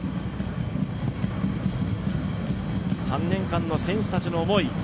３年間の選手たちの思い。